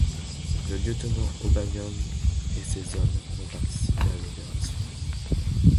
Le lieutenant O'Bannion et ses hommes vont participer à l'opération.